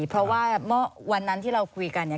เพราะว่าเมื่อวันนั้นที่เราคุยกันเนี่ย